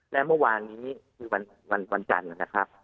และเมื่อวานนี้คือวันจันทร์นะครับ